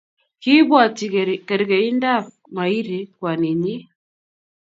Kiibwotyi kerkeibdap Mahiri, kwaninyi